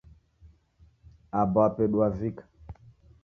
Aba wa pedu wavika